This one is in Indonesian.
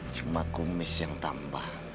cuma kumis yang tambah